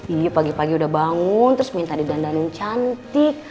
iya pagi pagi udah bangun terus minta didandan yang cantik